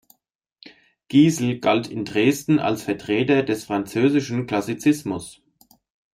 Giesel galt in Dresden als Vertreter des französischen Klassizismus.